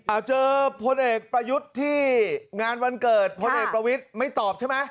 เอาเจอพลเอกประยุทธ์ที่งานวันเกิดพลเอกประวิทย์ไม่ตอบใช่ไหม